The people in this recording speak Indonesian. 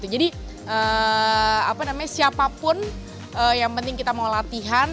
jadi siapapun yang penting kita mau latihan